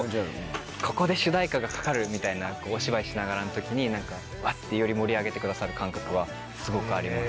ここで主題歌がかかるみたいなお芝居しながらの時にワッてより盛り上げてくださる感覚はすごくあります。